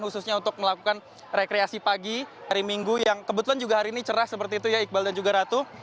khususnya untuk melakukan rekreasi pagi hari minggu yang kebetulan juga hari ini cerah seperti itu ya iqbal dan juga ratu